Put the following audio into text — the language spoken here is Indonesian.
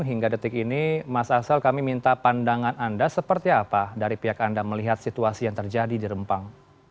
hingga detik ini mas asel kami minta pandangan anda seperti apa dari pihak anda melihat situasi yang terjadi di rempang